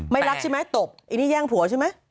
ไม่รักใช่ไหมตบไอ้นี่แย่งผัวใช่ไหม